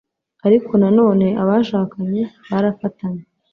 ariko nanone abashakanye barafatanye